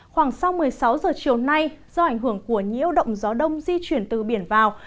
khoảng sau một mươi sáu giờ chiều nay do ảnh hưởng của nhiễu động gió đông di chuyển từ biển vào